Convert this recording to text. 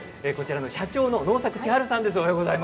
社長の能作千春さんです。